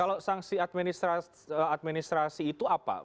kalau sanksi administrasi itu apa